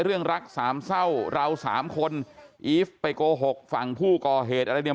เรื่องรักสามเศร้าเราสามคนอีฟไปโกหกฝั่งผู้ก่อเหตุอะไรเนี่ย